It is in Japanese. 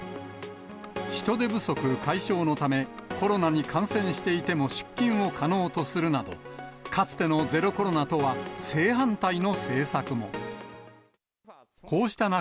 人手不足解消のため、コロナに感染していても出勤を可能とするなど、かつてのゼロコロナとは正反対の政策も。